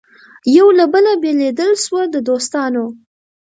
یو له بله بېلېدل سوه د دوستانو